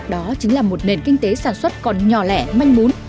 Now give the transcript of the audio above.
đó chính là một nền kinh tế sản xuất còn nhỏ lẻ manh mún